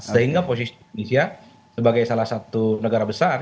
sehingga posisi indonesia sebagai salah satu negara besar